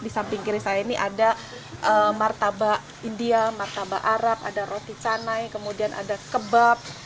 di samping kiri saya ini ada martabak india martaba arab ada roti canai kemudian ada kebab